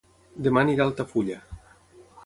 Dema aniré a Altafulla